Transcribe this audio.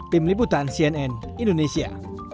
tim liputan cnn indonesia